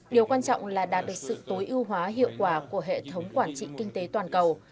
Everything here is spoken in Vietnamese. điều quan trọng là đạt được sự tối ưu hóa hiệu quả của hệ thống quản trị kinh tế toàn cầu